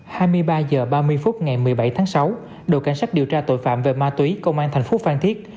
hai mươi ba h ba mươi phút ngày một mươi bảy tháng sáu đội cảnh sát điều tra tội phạm về ma túy công an thành phố phan thiết